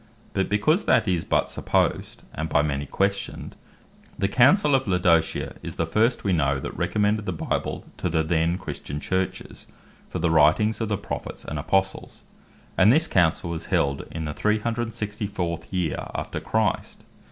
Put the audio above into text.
But because that is but supposed, and by many questioned, the Councell of Laodicea is the first we know, that recommended the Bible to the then Christian Churches, for the Writings of the Prophets and Apostles: and this Councell was held in the 364. yeer after Christ.